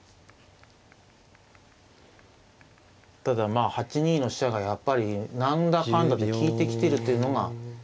ただまあ８二の飛車がやっぱり何だかんだで利いてきてるというのが。